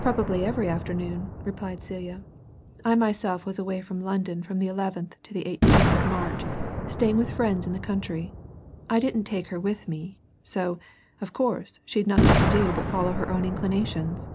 "Probably every afternoon," replied Celia. "I myself was away from London from the 11th to the 18th of March, staying with friends in the country. I didn't take her with me so, of course, she'd nothing to do but follow her own inclinations."